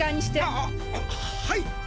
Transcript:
ああはい！